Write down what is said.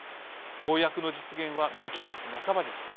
公約の実現は道半ばです。